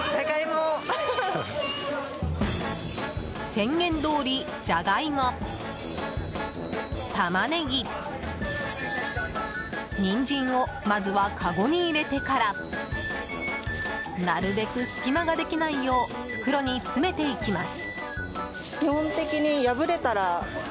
宣言どおり、ジャガイモタマネギ、ニンジンをまずは、かごに入れてからなるべく隙間ができないよう袋に詰めていきます。